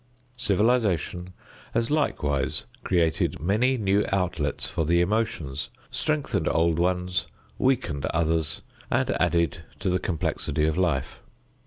Civilization has likewise created many new outlets for the emotions, strengthened old ones, weakened others and added to the complexity of life.